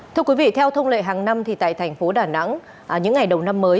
theo thông lệ hàng năm tại thành phố đà nẵng những ngày đầu năm mới